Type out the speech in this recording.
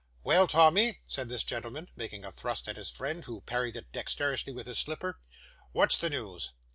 'Well, Tommy,' said this gentleman, making a thrust at his friend, who parried it dexterously with his slipper, 'what's the news?